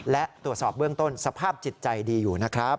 และตรวจสอบเบื้องต้นสภาพจิตใจดีอยู่นะครับ